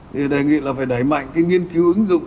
thì đề nghị là phải đẩy mạnh cái nghiên cứu ứng dụng